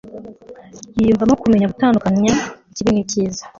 yiyumvamo kumenya gutandukanya ikibi n'icyiza